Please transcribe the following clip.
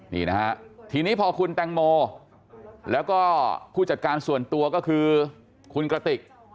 นี่นะฮะทีนี้พอคุณแตงโมแล้วก็ผู้จัดการส่วนตัวก็คือคุณกระติก